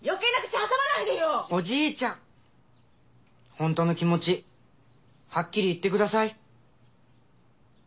ほんとの気持ちはっきり言ってください。